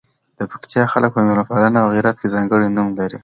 د پکتیکا خلګ په میلمه پالنه او غیرت کې ځانکړي نوم لزي.